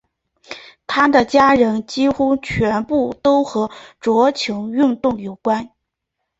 她的家人几乎全部都和桌球运动有关。